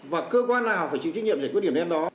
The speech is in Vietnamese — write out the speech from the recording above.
và cơ quan nào phải chịu trách nhiệm giải quyết điểm đen đó